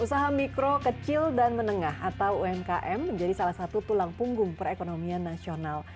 usaha mikro kecil dan menengah atau umkm menjadi salah satu tulang punggung perekonomian nasional